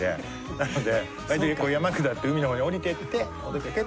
なので山下って海のほうに下りていって。